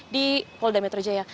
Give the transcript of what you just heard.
di polda metro jaya